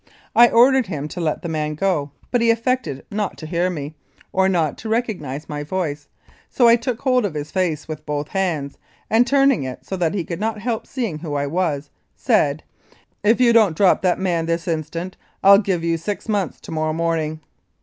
I ordered 26 Rebellion Year, 1885. Regina him to let the man go, but he affected not to hear me, or not to recognise my voice, so I took hold of his face with both hands, and, turning it so that he could not help seeing who I was, said, "If you don't drop that man this instant I'll give you six months to morrow morning."